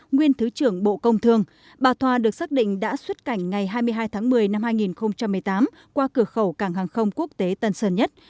nguyên thứ trưởng bộ công thương bà thoa được xác định đã xuất cảnh ngày hai mươi hai tháng một mươi năm hai nghìn một mươi tám qua cửa khẩu cảng hàng không quốc tế tân sơn nhất